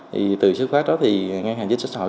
thì từ xuất phát đó thì ngân hàng chính sách hội